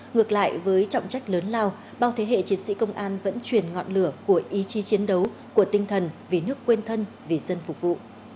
ngược lại với trọng trách lớn lao bao thế hệ chiến sĩ công an vẫn truyền ngọn lửa của ý chí chiến đấu của tinh thần vì nước quên thân vì dân phục vụ